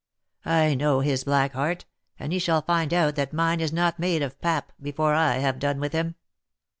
I know his black heart, and he shall find out that mine is not made of pap before I have done with him."